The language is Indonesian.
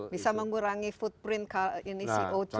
bisa mengurangi footprint ini co dua